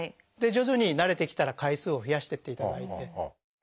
徐々に慣れてきたら回数を増やしてっていただいて。